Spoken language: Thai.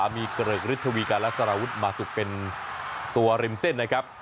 มีเกริกฤทธวีการและสารวุฒิมาสุกเป็นตัวริมเส้นนะครับ